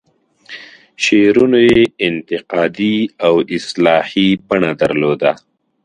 شعرونو یې انتقادي او اصلاحي بڼه درلوده.